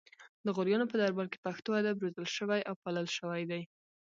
د غوریانو په دربار کې پښتو ادب روزل شوی او پالل شوی دی